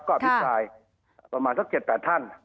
ก็อภิษภายประมาณเกือบ๗ท่าน